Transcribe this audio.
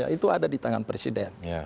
itu ada di tangan presiden